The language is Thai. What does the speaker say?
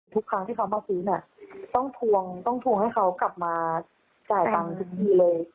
ทุกครั้งที่เขามาซื้อเนี่ยต้องทวงต้องทวงให้เขากลับมาจ่ายตังค์ทุกทีเลย